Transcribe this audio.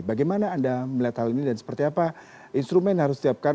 bagaimana anda melihat hal ini dan seperti apa instrumen yang harus disiapkan